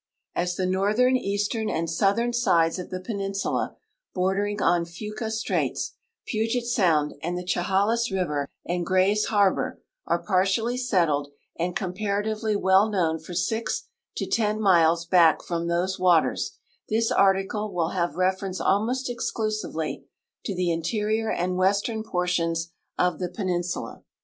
'U As the northern, eastern, and southern sides of the peninsula, bordering on Fuca straits, Puget sound, and the Chehalis river and Gray's harbor, are j)artially settled and comparatively well known for six to ten miles back from those waters, this article will have reference almost exclusively to the interior and western portions of the peninsula.